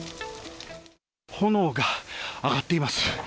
炎が上がっています。